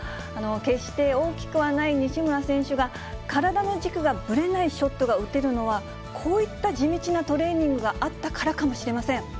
決して大きくはない西村選手が、体の軸がぶれないショットが打てるのは、こういった地道なトレーニングがあったからかもしれません。